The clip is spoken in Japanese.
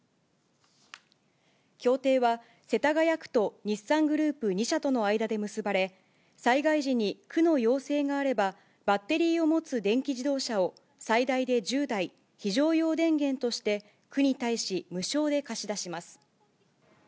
協定は、世田谷区と日産グループ２社との間で結ばれ、災害時に区の要請があればバッテリーを持つ電気自動車を最大で１０台、非常用電源として区に対し無償で貸し出します。